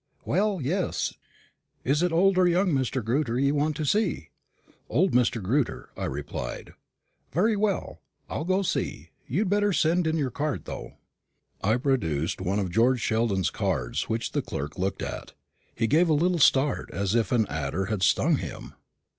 "Well, yes. Is it old or young Mr. Grewter you want to see?" "Old Mr. Grewter," I replied. "Very well, I'll go and see. You'd better send in your card, though." I produced one of George Sheldon's cards, which the clerk looked at. He gave a little start as if an adder had stung him.